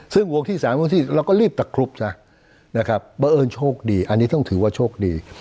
ซึ่งวงที่๓วงที่เราก็รีบตะครุบซะนะครับเพราะเอิญโชคดีอันนี้ต้องถือว่าโชคดี